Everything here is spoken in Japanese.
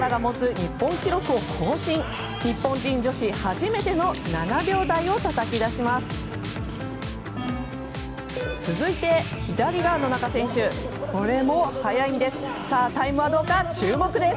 日本人女子初めての７秒台をたたき出します。